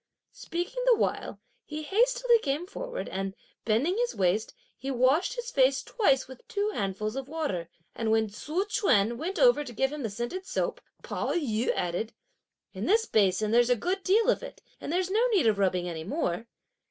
Speaking the while, he hastily came forward, and bending his waist, he washed his face twice with two handfuls of water, and when Tzu Chüan went over to give him the scented soap, Pao yü added: "In this basin, there's a good deal of it, and there's no need of rubbing any more!"